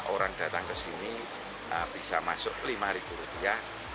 orang datang ke sini bisa masuk lima rupiah